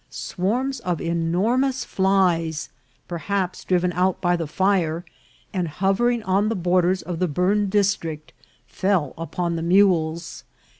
Swarms of enormous flies, perhaps driven out by the fire, and hovering on the borders of the burned dis trict, fell upon the mules.